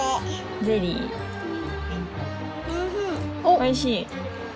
おいしい？